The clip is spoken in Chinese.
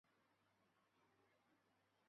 乌罗什是葡萄牙布拉干萨区的一个堂区。